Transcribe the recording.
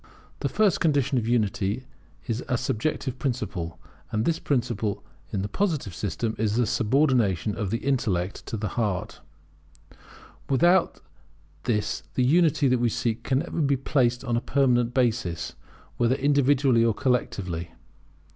The first condition of unity is a subjective principle; and this principle in the Positive system is the subordination of the intellect to the heart: Without this the unity that we seek can never be placed on a permanent basis, whether individually or collectively.